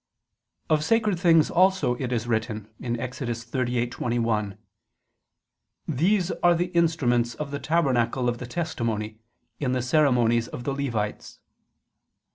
Of sacred things also it is written (Ex. 38:21): "These are the instruments of the tabernacle of the testimony ... in the ceremonies of the Levites."